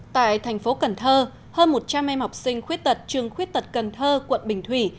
tại thành phố cần thơ hơn một trăm linh em học sinh khuyết tật trường khuyết tật cần thơ quận bình thủy